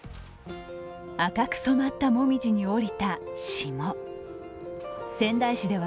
赤く染まったもみじに降りた霜。